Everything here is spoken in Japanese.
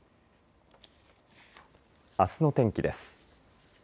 あすの天気です。